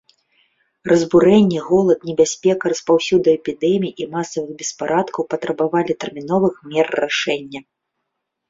Разбурэнні, голад, небяспека распаўсюду эпідэмій і масавых беспарадкаў патрабавалі тэрміновых мер рашэння.